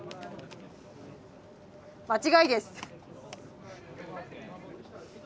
間違いです。